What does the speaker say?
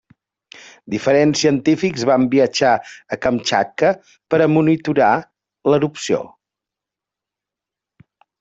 Diferents científics van viatjar a Kamtxatka per a monitorar l'erupció.